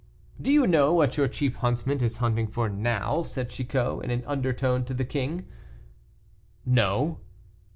"Do you know what your chief huntsman is hunting for now?" said Chicot, in an undertone, to the king. "No."